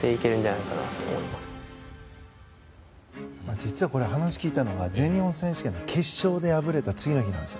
実は話を聞いたのが全日本選手権の決勝で敗れた次の日なんです。